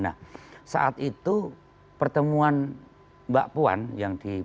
nah saat itu pertemuan mbak puan yang diberikan